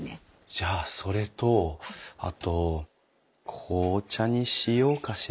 じゃあそれとあと紅茶にしようかしら。